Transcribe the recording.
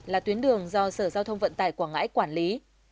là tuyến đường do sở giao thông vận tải quảng ngãi quản lý